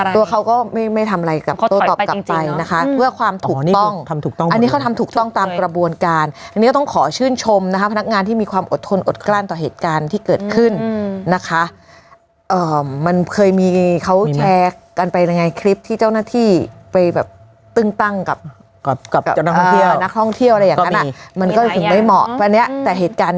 ตัวเขาก็ไม่ทำอะไรกับตัวตอบกลับใจนะคะเพื่อความถูกต้องอันนี้เขาทำถูกต้องตามกระบวนการอันนี้ก็ต้องขอชื่นชมนะคะพนักงานที่มีความอดทนอดกล้านต่อเหตุการณ์ที่เกิดขึ้นนะคะมันเคยมีเขาแชร์กันไปยังไงคลิปที่เจ้าหน้าที่ไปแบบตึ้งตั้งกับเหตุการณ์